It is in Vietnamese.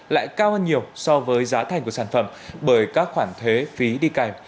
lại cao hơn nhiều so với giá thành của sản phẩm bởi các khoản thuế phí đi cành